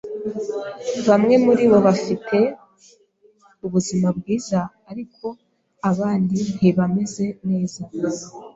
Bamwe muribo bafite ubuzima bwiza, ariko abandi ntibameze neza.